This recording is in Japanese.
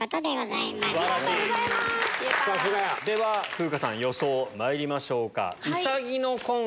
風花さん予想まいりましょうか。